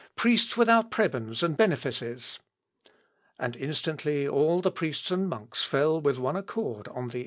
priests without prebends and benefices!" And instantly all the priests and monks fell with one accord on the impudent laic.